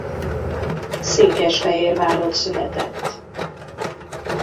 Székesfehérvárott született.